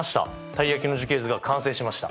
たい焼きの樹形図が完成しました。